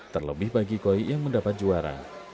terlebih bagi koi yang mendapat juara